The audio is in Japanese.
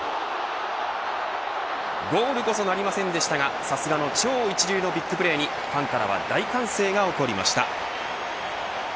ゴールこそなりませんでしたがさすがの超一流のビッグプレーにファンからは大歓声が起こりました。